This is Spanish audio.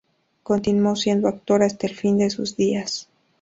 Continuó siendo actor hasta el fin de sus días.